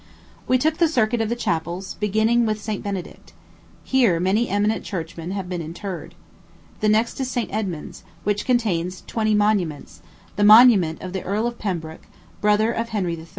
We took the circuit of the chapels, beginning with St. Benedict. Here many eminent churchmen have been interred. The next is St. Edmond's, which contains twenty monuments; the monument of the Earl of Pembroke, brother of Henry III.